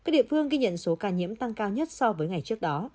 các địa phương ghi nhận số ca nhiễm tăng cao nhất so với ngày trước đó